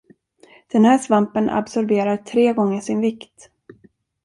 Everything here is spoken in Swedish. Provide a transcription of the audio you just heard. Den här svampen absorberar tre gånger sin vikt.